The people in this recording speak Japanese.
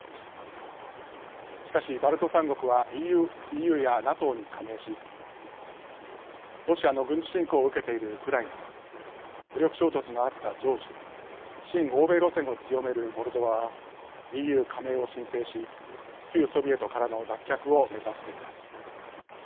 しかしバルト３国はＥＵやＮＡＴＯに加盟しロシアの軍事侵攻を受けているウクライナ武力衝突のあったジョージア親欧米路線を強めるモルドバはＥＵ加盟を申請し旧ソビエトからの脱却を目指しています。